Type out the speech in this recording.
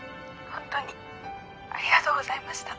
ほんとにありがとうございました。